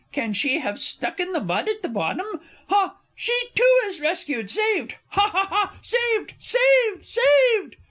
Can she have stuck in the mud at the bottom? Ha, she, too, is rescued saved ha ha ha! saved, saved, saved!